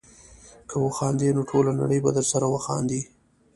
که وخاندې نو ټوله نړۍ به درسره وخاندي.